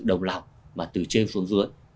đồng lòng mà từ trên xuống dưới